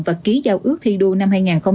và ký giao ước thi đua năm hai nghìn hai mươi